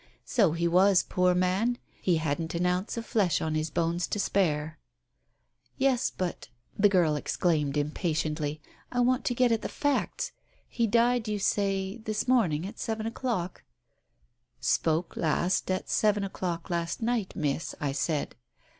So he was, poor man; he hadn't an ounce of flesh on his bones to spare " "Yes, but " the girl exclaimed impatiently, "I want to get at the facts. He died, you say, this morning at seven o'clock ?" "Spoke last at seven o'clock last night, Miss, I said.